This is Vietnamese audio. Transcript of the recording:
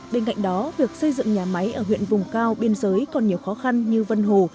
bên cạnh đó việc xây dựng nhà máy ở huyện vùng cao biên giới còn nhiều khó khăn như vân hồ